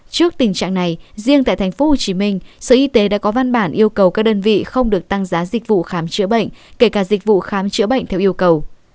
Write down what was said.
trước tình trạng này riêng tại thành phố hồ chí minh sở y tế đã có văn bản yêu cầu các đơn vị không được tăng giá dịch vụ khám chữa bệnh kể cả dịch vụ khám chữa bệnh theo yêu cầu